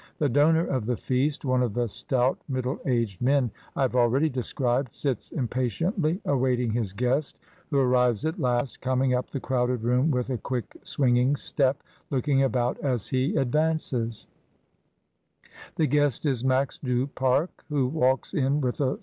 The donor of the feast, one of the stout, middle aged men I have already described, sits impatiently awaiting his guest, who arrives at last, coming up the crowded room with' a quick swinging step, looking about as he advances* The guest is Max du Pare, who walks in with a IQO MRS.